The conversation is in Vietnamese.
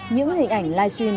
những hình ảnh live stream